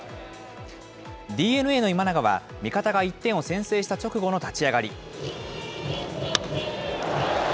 ＤｅＮＡの今永は、味方が１点を先制した直後の立ち上がり。